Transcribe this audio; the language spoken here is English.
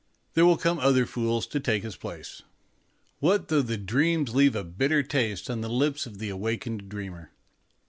There will come other fools to take his place. What though the dream leave a bitter taste on the lips of the awakened dreamer?